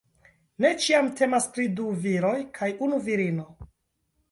Ne ĉiam temas pri du viroj kaj unu virino.